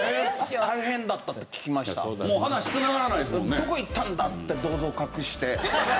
「どこいったんだ」って銅像隠して。